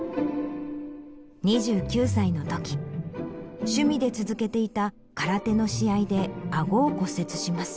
２９歳のとき趣味で続けていた空手の試合であごを骨折します。